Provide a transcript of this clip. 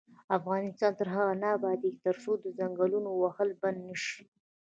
افغانستان تر هغو نه ابادیږي، ترڅو د ځنګلونو وهل بند نشي.